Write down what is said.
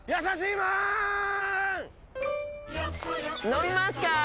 飲みますかー！？